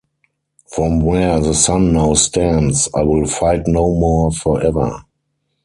From where the sun now stands, I will fight no more forever.